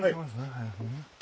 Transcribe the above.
はい。